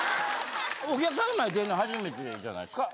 お客さんの前出んの初めてじゃないですか？